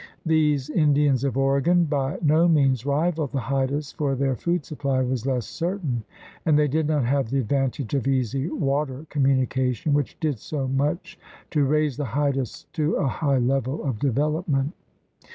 These Indians of Oregon by no means rivaled the Haidas, for their food supply was less certain and they did not have the advantage of easy water communication, which did so much to raise the Haidas to a high level of development.